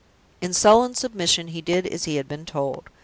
In sullen submission he did as he had been told.